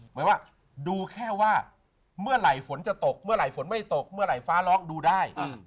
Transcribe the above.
หมายว่าดูแค่ว่าเมื่อไหร่ฝนจะตกเมื่อไหร่ฝนไม่ตกเมื่อไหร่ฟ้าล็อกดูได้